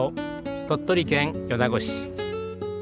鳥取県米子市。